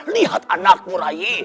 lihat anakmu rai